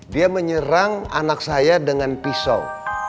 dia menyerang anak saya dengan pisau